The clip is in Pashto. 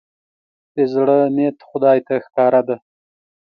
د زړه نيت خدای ته ښکاره دی.